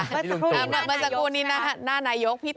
เบิร์ดสักครู่นี้หน้านายกพี่ตูน